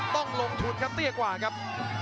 ต้องลงทุนครับเตี้ยกว่าครับ